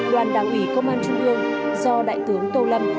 đoàn đảng ủy công an trung ương do đại tướng tô lâm